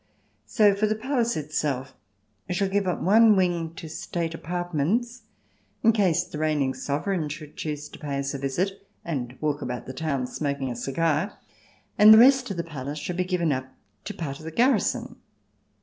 So, for the palace itself 48 THE DESIRABLE ALIEN [ch. iv we shall give up one wing to state apartments, in case the reigning Sovereign should choose to pay us a visit and walk about the town smoking a cigar. And the rest of the palace will be given up to part of the garrison.